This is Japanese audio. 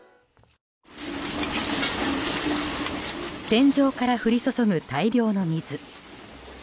天井から降り注ぐ大量の水。